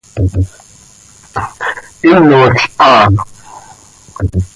¡Hinol haa!